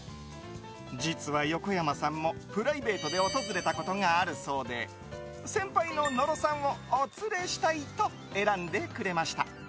実は横山さんもプライベートで訪れたことがあるそうで先輩の野呂さんをお連れしたいと選んでくれました。